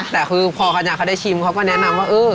แต่คือพออาจารย์เขาได้ชิมเขาก็แนะนำว่า